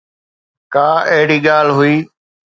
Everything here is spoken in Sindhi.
ڪا اهڙي ڳالهه هئي.